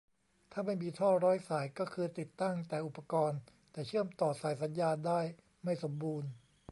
ถ้าไม่มีท่อร้อยสาย ก็คือติดตั้งแต่อุปกรณ์ แต่เชื่อมต่อสายสัญญาณได้ไม่สมบูรณ์